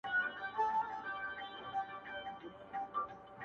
چي یې لاره کي پیدا وږی زمری سو!!